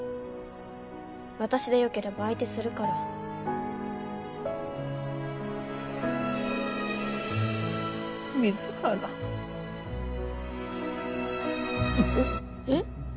私でよければ相手するから水原うっえっ？